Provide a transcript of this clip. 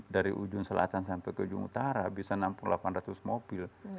dari ujung selatan sampai ke ujung utara bisa nampung delapan ratus mobil